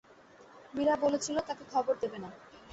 মীরা বলেছিল তাকে খবর দেবে না।